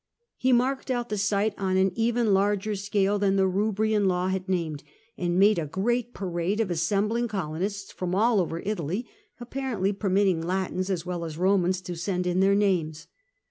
He marked out the site on an even larger scale than the Eubrian law had named, and made a great parade of assembling colon ists from all over Italy, apparently permitting Latins as well as Romans to send in their names.